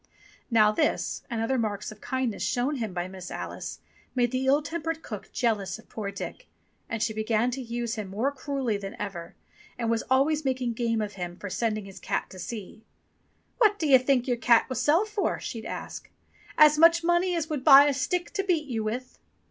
Now this, and other marks of kindness shown him by Miss Alice, made the ill tempered cook jealous of poor Dick, and she began to use him more cruelly than ever, and was always making game of him for sending his cat to sea. " What 244 DICK WHITTINGTON AND HIS CAT 245 do you think your cat will sell for?" she'd ask. "As much money as would buy a stick to beat you with